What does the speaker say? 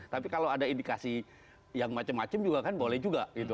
tapi kalau ada indikasi yang macam macam juga kan boleh juga gitu